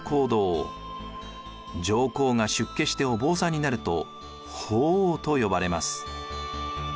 上皇が出家してお坊さんになると法皇と呼ばれます。